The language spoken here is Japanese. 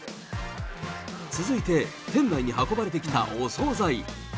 続いて店内に運ばれてきたお総菜。